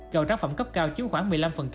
gạo tráng phẩm cấp cao chiếm khoảng một mươi năm